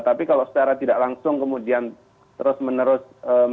tapi kalau secara tidak langsung kemudian terus menerus